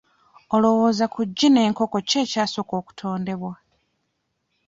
Olowooza ku ggi n'enkoko ki ekyasooka okutondebwa?